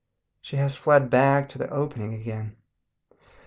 She has fled back to the opening again.